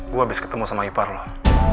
gue abis ketemu sama ipar lah